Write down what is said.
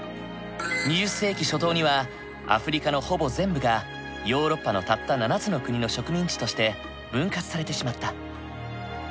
２０世紀初頭にはアフリカのほぼ全部がヨーロッパのたった７つの国の植民地として分割されてしまった。